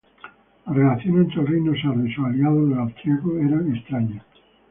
Las relaciones entre el reino Sardo y sus aliados los austriacos eran extrañas.